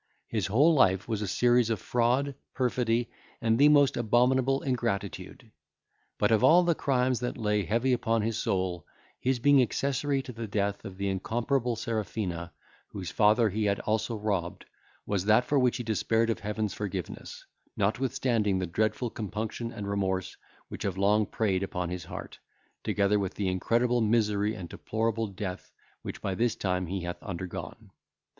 His whole life was a series of fraud, perfidy, and the most abominable ingratitude. But, of all the crimes that lay heavy upon his soul, his being accessory to the death of the incomparable Serafina, whose father he had also robbed, was that for which he despaired of Heaven's forgiveness, notwithstanding the dreadful compunction and remorse which have long preyed upon his heart, together with the incredible misery and deplorable death which by this time he hath undergone.